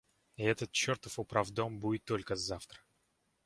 И этот чертов управдом будет только завтра!